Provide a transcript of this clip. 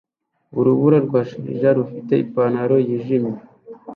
Urubura rwa shelegi rufite ipantaro yijimye